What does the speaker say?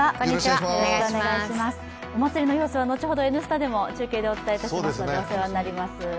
お祭りの様子は後ほど「Ｎスタ」でもお伝えしますので、お世話になります。